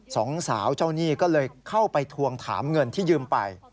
สองสาวเจ้าหนี้ก็เลยเข้าไปทวงถามเงินที่ยืมไป